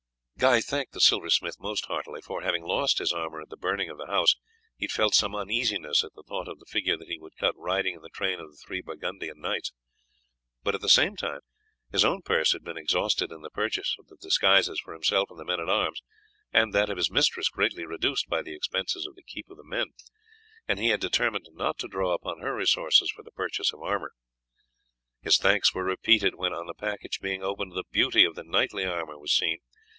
Guy thanked the silversmith most heartily, for, having lost his armour at the burning of the house, he had felt some uneasiness at the thought of the figure that he would cut riding in the train of the three Burgundian knights. But at the same time his own purse had been exhausted in the purchase of the disguises for himself and the men at arms, and that of his mistress greatly reduced by the expenses of the keep of the men, and he had determined not to draw upon her resources for the purchase of armour. His thanks were repeated when, on the package being opened, the beauty of the knightly armour was seen.